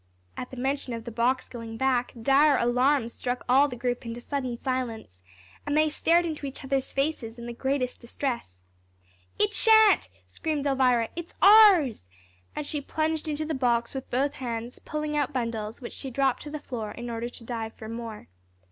At the mention of the box going back, dire alarm struck all the group into sudden silence, and they stared into each other's faces in the greatest distress. "It shan't," screamed Elvira; "it's ours," and she plunged into the box with both hands, pulling out bundles, which she dropped to the floor, in order to dive for more.